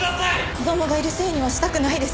「子供がいるせいにはしたくないです」